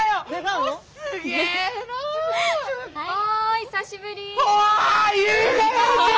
久しぶり。